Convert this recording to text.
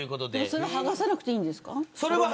それは剥がさなくていいんですか。